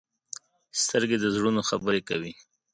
سترګې د زړونو خبرې کوي